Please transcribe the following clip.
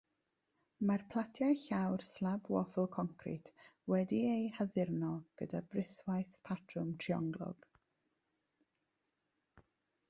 Mae'r platiau llawr slab waffl concrit wedi eu haddurno gyda brithwaith patrwm trionglog.